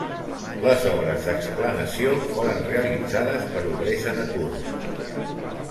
Les obres d'explanació foren realitzades per obrers en atur.